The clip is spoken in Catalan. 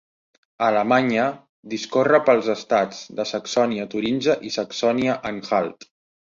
A Alemanya, discorre pels estats de Saxònia, Turíngia i Saxònia-Anhalt.